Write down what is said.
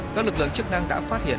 các lực lượng chức năng đã phát hiện